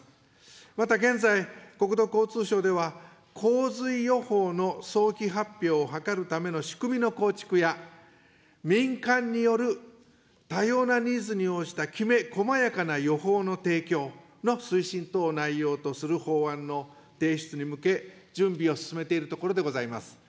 また現在、国土交通省では、洪水予報の早期発表を図るための仕組みの構築や、民間による多様なニーズに応じたきめこまやかな予報の提供の推進等を内容とする法案の提出に向け、準備を進めているところでございます。